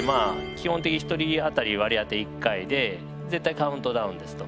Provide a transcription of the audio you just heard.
基本的に１人当たり割り当て１回で絶対カウントダウンですと。